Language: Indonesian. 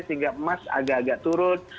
sehingga emas agak agak turun